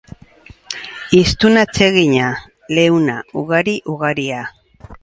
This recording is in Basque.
Hiztun atsegina, leuna, ugari-ugaria.